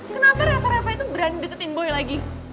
kenapa refah refah itu berani deketin boy lagi